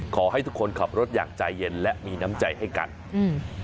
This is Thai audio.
ขอให้ทุกคนขับรถอย่างใจเย็นและมีน้ำใจให้กันอืม